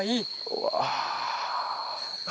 うわ。